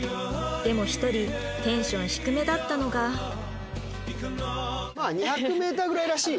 でも一人テンション低めだったのがまあ２００ｍぐらいらしいよ